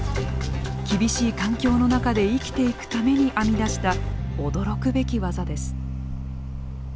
厳しい環境の中で生きていくために編み出した驚くべき技です。